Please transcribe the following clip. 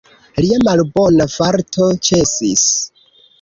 Lia malbona farto ĉesis.